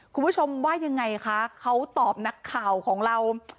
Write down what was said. คุณผู้ชมว่ายังไงคะเขาตอบนักข่าวของเรา